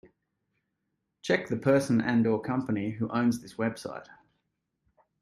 Check the person and/or company who owns this website.